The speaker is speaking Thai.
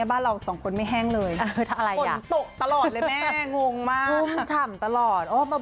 มันก็น่าจะขึ้นอยู่กับความรู้สึกของเรา